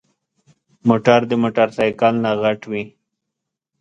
موټر د موټرسايکل نه غټ وي.